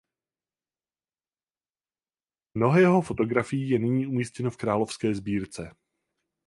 Mnoho jeho fotografií je nyní umístěno v Královské sbírce.